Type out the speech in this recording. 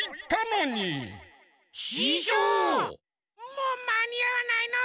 もうまにあわないの？